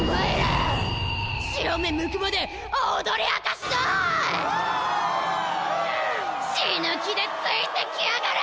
しぬきでついてきやがれ！